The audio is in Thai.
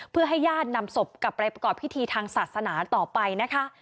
เพื่อให้ญาตินำศพกลับไปประกอบพิธีทางศาสนาต่อไปนะคะ